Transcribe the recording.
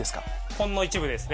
ほんの一部ですね。